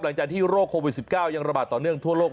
หลังจากที่โรคโควิด๑๙ยังระบาดต่อเนื่องทั่วโลก